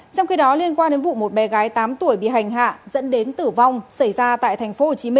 trong khi đó liên quan đến vụ một bé gái tám tuổi bị hành hạ dẫn đến tử vong xảy ra tại tp hcm